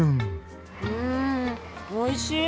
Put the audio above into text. うんおいしい！